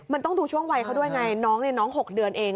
มันต้องดูช่วงวัยเขาด้วยไงน้องน้อง๖เดือนเอง